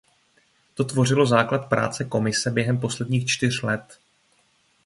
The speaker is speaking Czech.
To tvořilo základ práce Komise během posledních čtyř let.